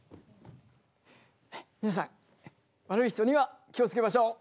皆さん悪い人には気を付けましょう。